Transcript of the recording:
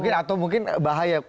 nah mungkin bahaya